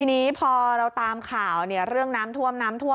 ทีนี้พอเราตามข่าวเรื่องน้ำท่วมน้ำท่วม